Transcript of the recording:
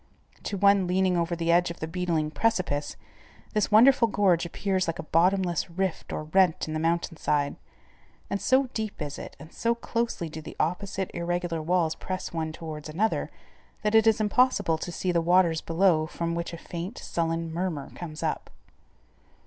To one leaning over the edge of the beetling precipice, this wonderful gorge appears like a bottomless rift or rent in the mountain side, and so deep is it and so closely do the opposite, irregular walls press one towards another, that it is impossible to see the waters below from which a faint, sullen murmur comes up.